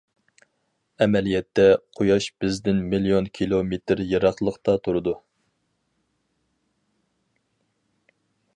ئەمەلىيەتتە، قۇياش بىزدىن مىليون كىلومېتىر يىراقلىقتا تۇرىدۇ.